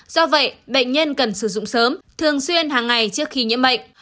do vậy bệnh nhân cần sử dụng sớm thường xuyên hàng ngày trước khi nhiễm bệnh